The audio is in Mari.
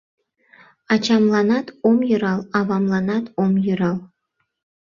Ачамланат ом йӧрал, авамланат ом йӧрал.